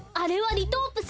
リトープス？